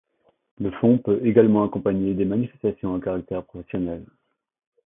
Le fonds peut également accompagner des manifestations à caractère professionnel.